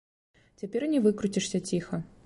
Цяпер не выкруцішся ціха.